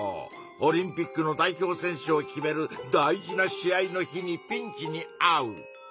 オリンピックの代表選手を決める大事な試合の日にピンチにあう。